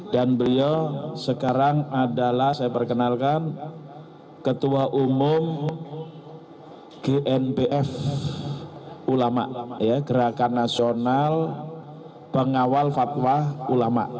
dan beliau sekarang adalah saya perkenalkan ketua umum gnpf ulama gerakan nasional pengawal fatwa ulama